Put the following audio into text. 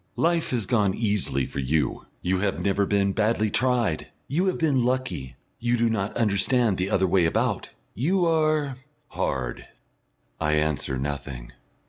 Life has gone easily for you; you have never been badly tried. You have been lucky you do not understand the other way about. You are hard." I answer nothing.